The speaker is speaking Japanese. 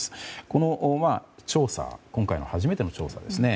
この調査今回が初めての調査ですね。